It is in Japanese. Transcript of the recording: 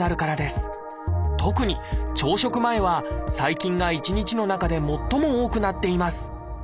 特に朝食前は細菌が一日の中で最も多くなっています